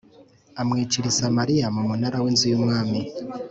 amwicira i Samariya mu munara w inzu y umwami